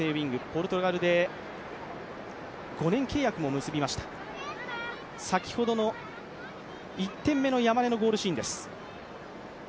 ポルトガルで５年契約も結びました先ほどの１点目の山根のゴールシーンです。